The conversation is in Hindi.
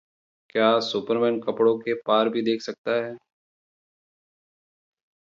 क्या सुपरमैन कपडों के पार भी देख सकता है?